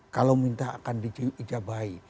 kalau minta akan diijabatkan